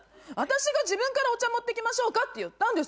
私が自分からお茶持ってきましょうかって言った。